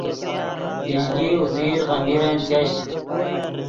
بجلی اوزیر غمیرن چش